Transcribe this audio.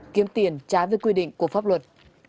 kiếm tiền trái với quy định của pháp luật